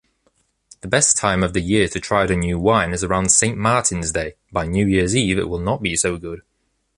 The best time of the year to try the new wine is around Saint Martin’s day. By New Year’s Eve it will not be so good.